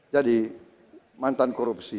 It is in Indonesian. jadi mantan korupsi